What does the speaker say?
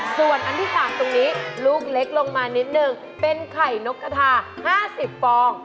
ส่วนอันที่๓ตรงนี้ลูกเล็กลงมานิดนึงเป็นไข่นกกระทา๕๐ฟอง